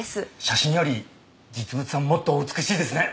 写真より実物はもっとお美しいですね。